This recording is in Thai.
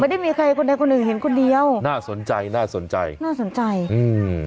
ได้มีใครคนใดคนหนึ่งเห็นคนเดียวน่าสนใจน่าสนใจน่าสนใจอืม